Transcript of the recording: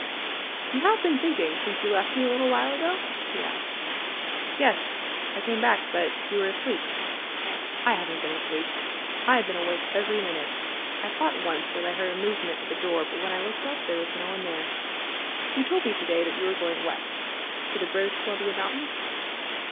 "You have been thinking, since you left me a little while ago?" he asked. "Yes. I came back. But you were asleep." "I haven't been asleep. I have been awake every minute. I thought once that I heard a movement at the door but when I looked up there was no one there. You told me to day that you were going west to the British Columbia mountains?"